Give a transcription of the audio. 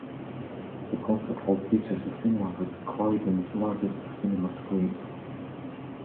The Concert Hall features a cinema with Croydon's largest cinema screen.